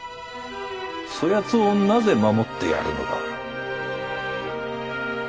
そやつをなぜ守ってやるのだ？